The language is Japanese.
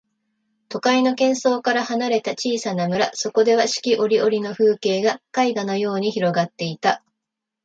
都会の喧騒から離れた小さな村、そこでは四季折々の風景が絵画のように広がっていた。